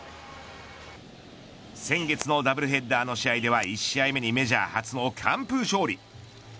先月のダブルヘッダーの試合では１試合目にメジャー初の完封勝利。